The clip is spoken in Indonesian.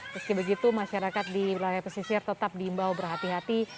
meski begitu masyarakat di wilayah pesisir tetap diimbau berhati hati